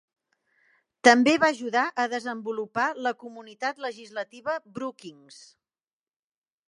També va ajudar a desenvolupar la Comunitat Legislativa Brookings.